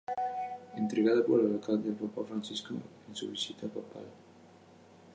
Entregada por el Alcalde al Papa Francisco en su visita papal.